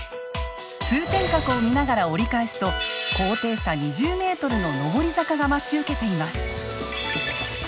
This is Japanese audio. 通天閣を見ながら折り返すと高低差２０ｍの上り坂が待ち受けています。